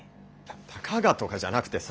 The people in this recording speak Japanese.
たかがとかじゃなくてさ